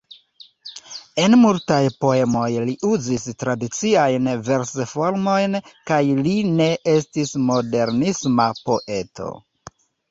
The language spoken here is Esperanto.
En multaj poemoj li uzis tradiciajn vers-formojn kaj li ne estis modernisma poeto.